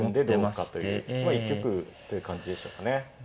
まあ一局という感じでしょうかね。